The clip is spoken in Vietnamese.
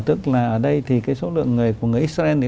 tức là ở đây thì số lượng người của người israel